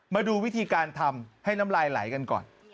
มาดูวิธีการทำให้น้ำลายไหลกันก่อน